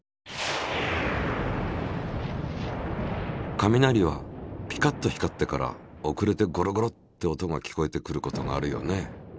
雷はピカッと光ってから遅れてゴロゴロって音が聞こえてくることがあるよね。